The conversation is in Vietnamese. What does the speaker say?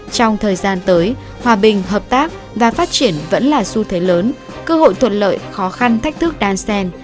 trong thời gian tới hòa bình hợp tác và phát triển vẫn là xu thế lớn cơ hội thuận lợi khó khăn thách thức đan sen